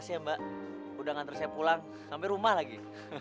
iya mbak udah ngantre saya pulang sampe rumah lagi